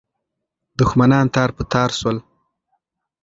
دښمنان تار په تار سول.